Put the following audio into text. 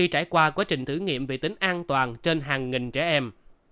trải qua quá trình thử nghiệm về tính an toàn trên hàng nghìn trẻ em